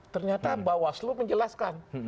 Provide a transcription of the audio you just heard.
ternyata bawaslu menjelaskan